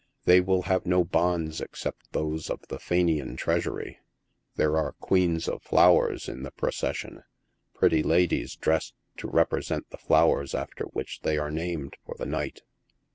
They will have no bonds except those of the Fenian trea sury. There are Queens of Flowers in the procession — pretty la dies dressed to represent the flowers after which they arc named for the night.